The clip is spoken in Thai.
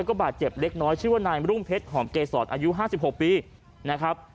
ก็บาดเจ็บเล็กน้อยชื่อว่านายมรุ่งเพชรหอมเกษรอายุ๕๖ปีนะครับ